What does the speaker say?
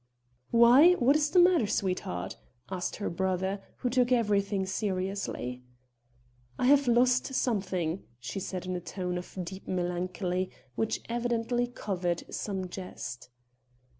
"Why what is the matter, sweetheart?" asked her brother, who took everything seriously. "I have lost something," she said in a tone of deep melancholy which evidently covered some jest.